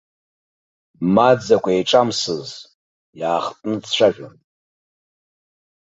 Ма дзакә еиҿамсыз, иаахтны дцәажәон.